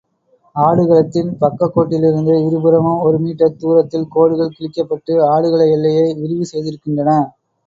ஆடு களத்தின் பக்கக்கோட்டிலிருந்து இருபுறமும் ஒரு மீட்டர் தூரத்தில் கோடுகள் கிழிக்கப்பட்டு, ஆடுகள எல்லையை விரிவு செய்திருக்கின்றன.